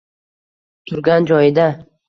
turgan joyida